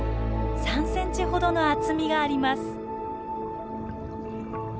３ｃｍほどの厚みがあります。